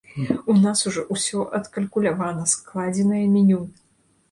У нас ужо усё адкалькулявана, складзенае меню.